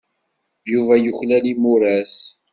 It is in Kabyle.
Yuba yuklal imuras.